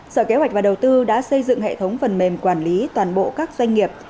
sở kế hoạch và đầu tư đã xây dựng hệ thống phần mềm quản lý toàn bộ các doanh nghiệp